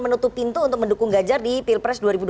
menutup pintu untuk mendukung gajar di pilpres